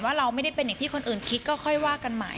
เราไม่ได้เป็นอย่างที่คนอื่นคิดก็ค่อยว่ากันใหม่